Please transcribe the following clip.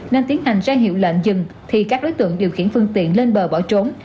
nên tiến hành ra hiệu lệnh dừng thì các đối tượng điều khiển phương tiện lên bờ bỏ trốn